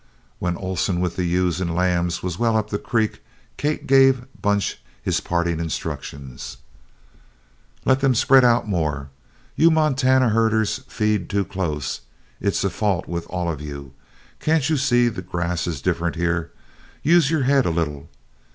When Oleson with the ewes and lambs was well up the creek, Kate gave Bunch his parting instructions: "Let them spread out more. You Montana herders feed too close it's a fault with all of you. Can't you see the grass is different here? Use your head a little.